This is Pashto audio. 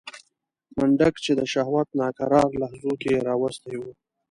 منډک چې د شهوت ناکرار لحظو کې راوستی و.